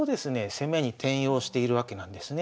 攻めに転用しているわけなんですね。